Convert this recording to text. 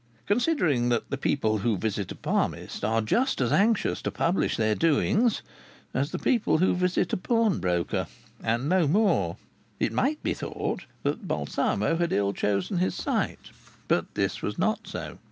Considering that the people who visit a palmist are just as anxious to publish their doings as the people who visit a pawnbroker and no more it might be thought that Balsamo had ill chosen his site. But this was not so.